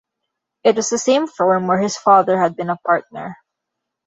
It was the same firm where his father had been a partner.